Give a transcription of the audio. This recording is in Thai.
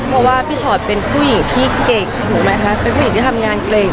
เพราะว่าพี่ชอตเป็นผู้หญิงที่เก่งถูกไหมคะเป็นผู้หญิงที่ทำงานเก่ง